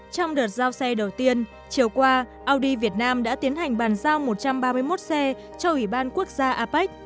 trong đợt giao xe đầu tiên chiều qua audy việt nam đã tiến hành bàn giao một trăm ba mươi một xe cho ủy ban quốc gia apec